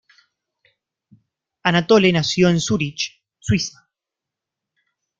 Anatole nació en Zurich, Suiza.